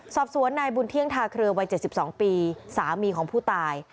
สอบสวนนายบุญเที่ยงทาเครือวัย๗๒ปีสามีของผู้ตาย